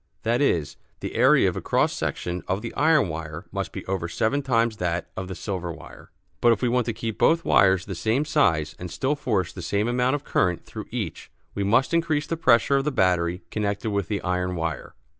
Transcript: That is, the area of a cross section of the iron wire must be over seven times that of the silver wire. But if we want to keep both wires the same size and still force the same amount of current through each we must increase the pressure of the battery connected with the iron wire.